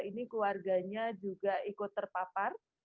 ini keluarganya juga ikut terpapar